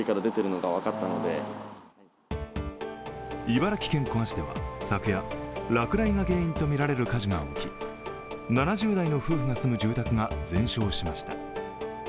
茨城県古河市では昨夜、落雷が原因とみられる火事が起き、７０代の夫婦が住む住宅が全焼しました。